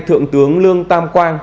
thượng tướng lương tam quang